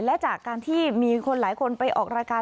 และจากการที่มีคนหลายคนไปออกรายการ